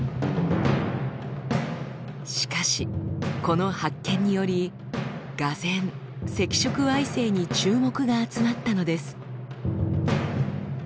しかしこの発見により俄然赤色矮星に注目が集まったのです。